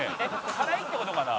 「辛いって事かな？」